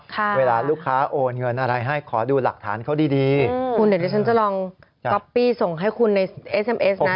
เวลาลูกค้าโอนเงินอะไรให้ขอดูหลักฐานเขาดีดีอืมคุณเดี๋ยวดิฉันจะลองก๊อปปี้ส่งให้คุณในเอสเอ็มเอสนะ